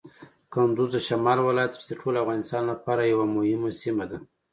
کندز د شمال ولایت دی چې د ټول افغانستان لپاره یوه مهمه سیمه ده.